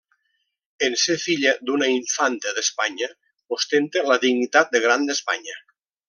En ser filla d'una infanta d'Espanya, ostenta la dignitat de Gran d'Espanya.